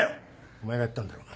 お前がやったんだろ？